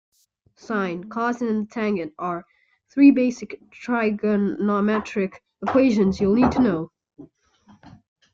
Sine, cosine and tangent are three basic trigonometric equations you'll need to know.